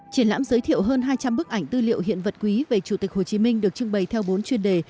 triển lãm giới thiệu hơn hai trăm linh bức ảnh tư liệu hiện vật quý về chủ tịch hồ chí minh được trưng bày theo bốn chuyên đề